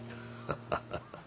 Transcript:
ハハハハッ。